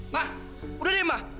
mah udah deh mah